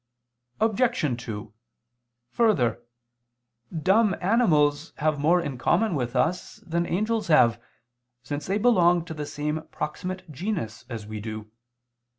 Obj. 2: Further, dumb animals have more in common with us than the angels have, since they belong to the same proximate genus as we do.